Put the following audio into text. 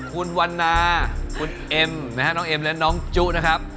คุณวันนาคุณเอ็มนะฮะน้องเอ็มและน้องจุนะครับ